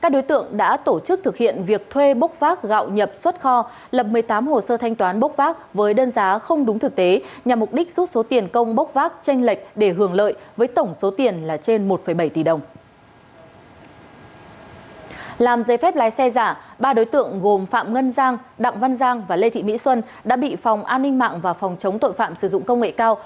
ba đối tượng gồm phạm ngân giang đặng văn giang và lê thị mỹ xuân đã bị phòng an ninh mạng và phòng chống tội phạm sử dụng công nghệ cao